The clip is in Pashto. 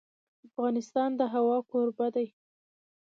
افغانستان د هوا کوربه دی.